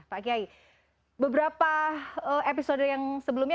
pak kiai beberapa episode yang sebelumnya